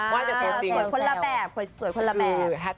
ว่าจะเปรียบจริงสวยคนละแบบสวยคนละแบบ